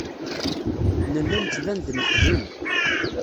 Nella nettban-d neḥzen.